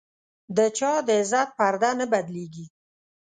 د چا د عزت پرده نه بدلېږي.